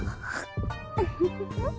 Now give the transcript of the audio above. ウフフフ。